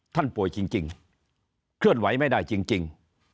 ป่วยจริงเคลื่อนไหวไม่ได้จริง